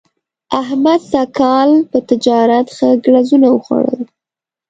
احمد سږ کال په تجارت ښه ګړزونه وخوړل.